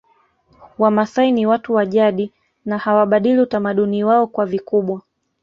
Wamasai ni watu wa jadi na hawabadili utamaduni wao kwa vikubwa